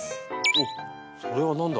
おっそれは何だ？